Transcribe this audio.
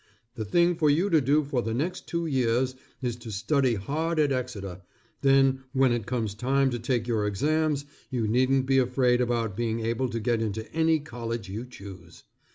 The thing for you to do for the next two years, is to study hard at Exeter, then when it comes time to take your exams, you needn't be afraid about being able to get into any college you choose.